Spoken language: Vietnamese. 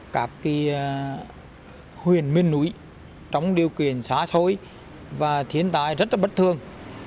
các cái huyền miên núi trong điều kiện xá xôi và thiến tái rất là bất thường